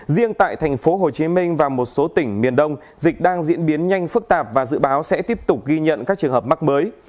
riêng tại thành phố hồ chí minh và một số tỉnh miền đông dịch đang diễn biến nhanh phức tạp và dự báo sẽ tiếp tục ghi nhận các trường hợp mắc mới